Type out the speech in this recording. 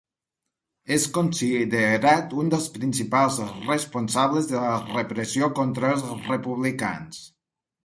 És considerat un dels principals responsables de la repressió contra els republicans.